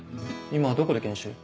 今どこで研修？